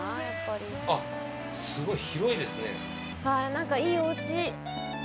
何かいいおうち。